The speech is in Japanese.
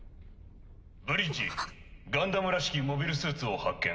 ブリッジガンダムらしきモビルスーツを発見。